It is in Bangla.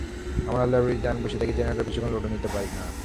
আমার ল্যাবরেটরিতে আমি বসে থাকি, জেনারেটর বেশিক্ষণ লোডও নিতে পারে না।